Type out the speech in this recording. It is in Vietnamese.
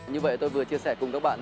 như vậy tôi vừa chia sẻ cùng các bạn